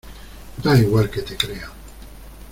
¡ da igual que te crean!